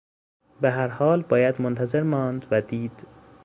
به هر حال باید منتظر ماند و دید